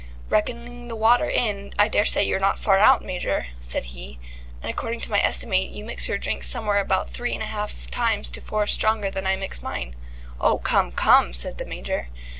"Reckoning the water in, I daresay you're not far out, Major," said he. "And according to my estimate you mix your drink somewhere about three and a half times to four stronger than I mix mine." "Oh, come, come!" said the Major.